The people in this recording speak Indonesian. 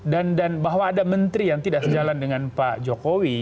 dan bahwa ada menteri yang tidak sejalan dengan pak jokowi